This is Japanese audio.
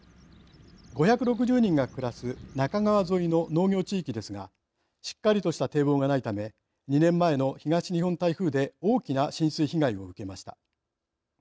５６０人が暮らす那珂川沿いの農業地域ですがしっかりとした堤防がないため２年前の東日本台風で大きな浸水被害を受けました。